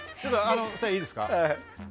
２人、いいですか？